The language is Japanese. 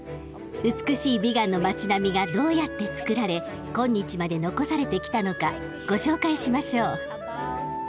美しいビガンの街並みがどうやってつくられ今日まで残されてきたのかご紹介しましょう。